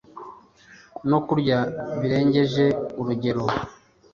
no Kurya Birengeje Urugero